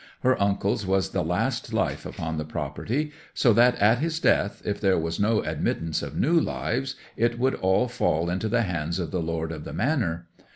Her uncle's was the last life upon the property; so that at his death, if there was no admittance of new lives, it would all fall into the hands of the lord of the manor.